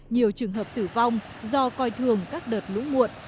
nhiều trường hợp tử vong do coi thường các đợt lũ muộn